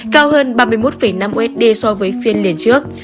cao hơn ba mươi một năm usd so với phiên liền trước